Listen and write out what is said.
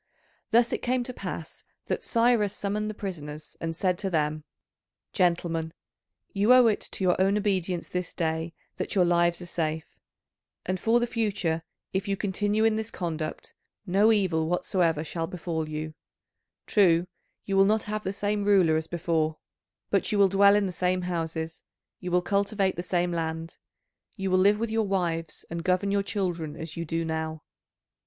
Thus it came to pass that Cyrus summoned the prisoners and said to them: "Gentlemen, you owe it to your own obedience this day that your lives are safe; and for the future if you continue in this conduct, no evil whatsoever shall befall you; true, you will not have the same ruler as before, but you will dwell in the same houses, you will cultivate the same land, you will live with your wives and govern your children as you do now.